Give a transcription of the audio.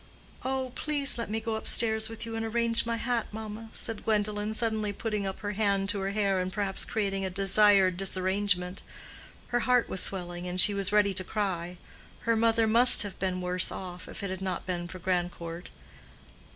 "Oh, please let me go up stairs with you and arrange my hat, mamma," said Gwendolen, suddenly putting up her hand to her hair and perhaps creating a desired disarrangement. Her heart was swelling, and she was ready to cry. Her mother must have been worse off, if it had not been for Grandcourt.